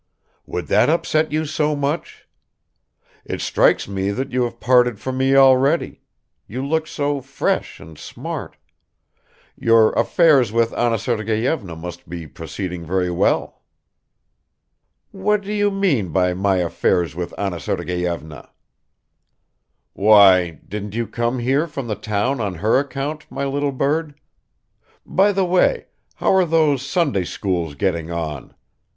"Would that upset you so much? It strikes me that you have parted from me already; you look so fresh and smart ... your affairs with Anna Sergeyevna must be proceeding very well." "What do you mean by my affairs with Anna Sergeyevna?" "Why, didn't you come here from the town on her account, my little bird? By the way, how are those Sunday schools getting on?